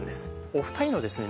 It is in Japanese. お二人のですね